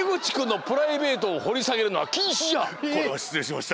これはしつれいしました。